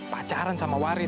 pacaran sama waris